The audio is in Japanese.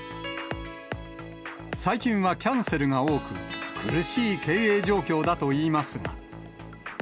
最近はキャンセルが多く、苦しい経営状況だといいますが。